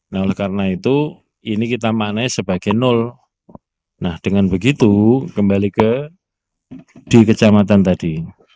nah itu ini kita maknanya sebagai nol nah dengan begitu kembali ke di kecamatan tadi